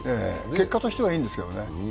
結果としてはいいんですけどね。